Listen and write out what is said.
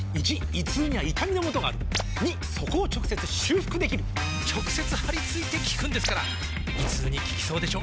①胃痛には痛みのもとがある②そこを直接修復できる直接貼り付いて効くんですから胃痛に効きそうでしょ？